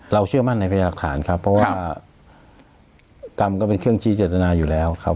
เชื่อมั่นในพยายามหลักฐานครับเพราะว่ากรรมก็เป็นเครื่องชี้เจตนาอยู่แล้วครับ